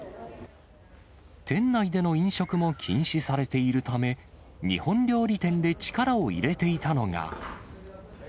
店内での飲食も禁止されているため、日本料理店で力を入れていたのが。